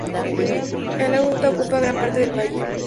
El lago Utah ocupa gran parte del valle.